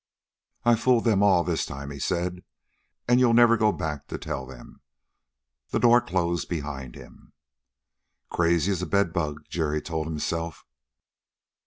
"I'll fool them all this time," he said; "and you'll never go back to tell them." The door closed behind him. "Crazy as a bed bug," Jerry told himself.